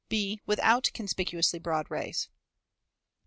(b) Without conspicuously broad rays.